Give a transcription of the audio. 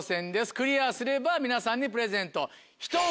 クリアすれば皆さんにプレゼント。